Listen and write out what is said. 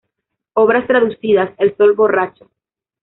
Obras traducidas: "El sol borracho", trad.